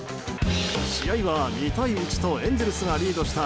試合は２対１とエンゼルスがリードした